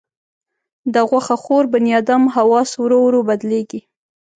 د غوښه خور بنیادم حواس ورو ورو بدلېږي.